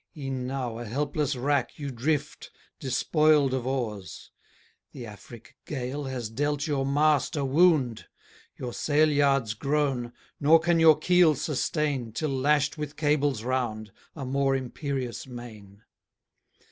E'en now, a helpless wrack, You drift, despoil'd of oars; The Afric gale has dealt your mast a wound; Your sailyards groan, nor can your keel sustain, Till lash'd with cables round, A more imperious main.